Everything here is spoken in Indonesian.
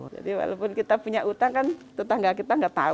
jadi walaupun kita punya utang tetangga kita enggak tahu